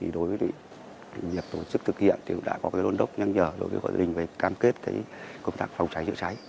đối với việc tổ chức thực hiện đã có đôn đốc nhăn nhở đối với hội hội đình cam kết công tác phòng cháy chữa cháy